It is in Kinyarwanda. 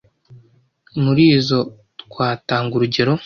Muri izo twatanga urugero